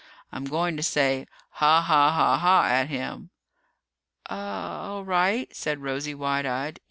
I'm goin' to say 'ha ha, ha ha' at him." "A all right," said Rosie, wide eyed.